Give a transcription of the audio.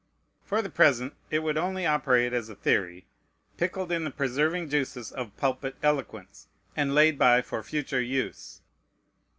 For the present it would only operate as a theory, pickled in the preserving juices of pulpit eloquence, and laid by for future use.